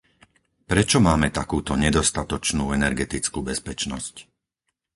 Prečo máme takúto nedostatočnú energetickú bezpečnosť?